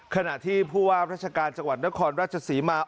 ขณะที่ผู้ว่าราชการจังหวัดนครราชศรีมา